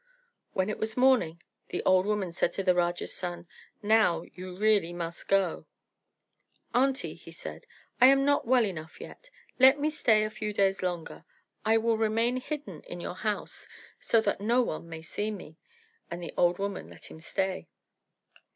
When it was morning the old woman said to the Raja's son, "Now you must really go." "Aunty," he answered, "I am not well enough yet. Let me stay a few days longer. I will remain hidden in your house, so that no one may see me." So the old woman let him stay.